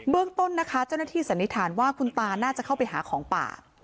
เรื่องต้นนะคะเจ้าหน้าที่สันนิษฐานว่าคุณตาน่าจะเข้าไปหาของป่า